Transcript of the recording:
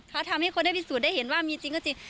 เขาทำให้คนได้พิสูจนได้เห็นว่ามีจริงก็จริง